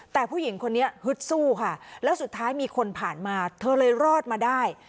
แต่ผู้หญิงคนนี้ฮึดสู้ค่ะแล้วสุดท้ายมีคนผ่านมาเธอเลยรอดมาได้